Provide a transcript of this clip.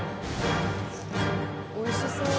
おいしそう。